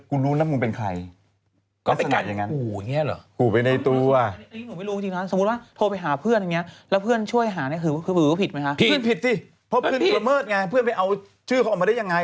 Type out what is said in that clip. ก็เหมือนกับจะลงไปแล้วบอกว่าเออกูรู้น่ะคุณเป็นใคร